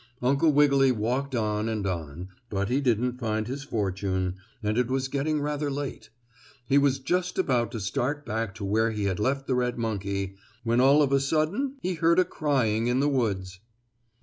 Uncle Wiggily walked on and on, but he didn't find his fortune, and it was getting rather late. He was just about to start back to where he had left the red monkey, when all of a sudden he heard a crying in the woods.